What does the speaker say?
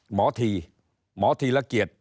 หมอธีหมอธีละเกียจ